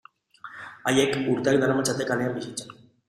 Haiek urteak daramatzate kalean bizitzen.